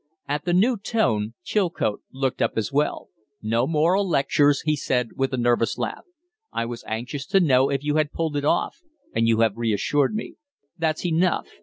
At the new tone Chilcote looked up as well. "No moral lectures!" he said, with a nervous laugh. "I was anxious to know if you had pulled it off and you have reassured me. That's enough.